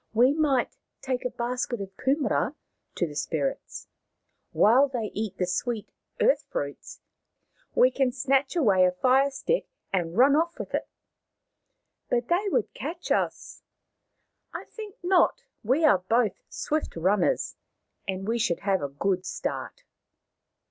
We might take a basket of kumaras to the spirits. While they eat the sweet earth fruits we can snatch away a fire stick and run off with it." " But they would catch us." " I think not. We are both swift runners, and we should have a good start."